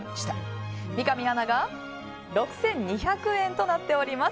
三上アナが６２００円となっております。